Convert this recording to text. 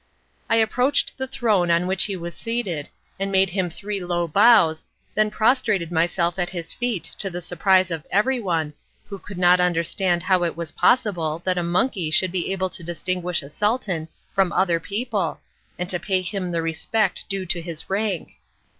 I approached the throne on which he was seated and made him three low bows, then prostrated myself at his feet to the surprise of everyone, who could not understand how it was possible that a monkey should be able to distinguish a Sultan from other people, and to pay him the respect due to his rank.